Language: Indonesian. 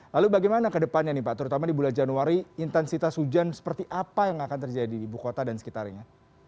lalu bagaimana ke depannya nih pak terutama di bulan januari intensitas hujan seperti apa yang akan terjadi di ibu kota dan sekitarnya